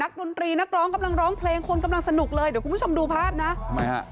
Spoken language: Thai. ดนตรีนักร้องกำลังร้องเพลงคนกำลังสนุกเลยเดี๋ยวคุณผู้ชมดูภาพนะทำไมฮะ